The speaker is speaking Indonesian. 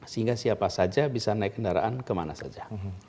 sehingga siapa saja bisa naik kendaraan kemana saja